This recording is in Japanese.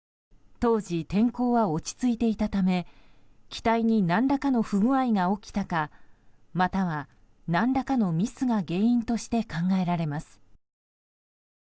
当時天候は落ち着いていたため機体に何らかの不具合が起きたかまたは、何らかのミスが原因として考えられます。